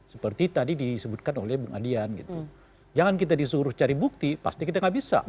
seperti tadi disebutkan oleh bung adian gitu jangan kita disuruh cari bukti pasti kita nggak bisa